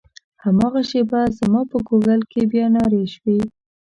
هماغه شېبه زما په ګوګل کې بیا نارې شوې.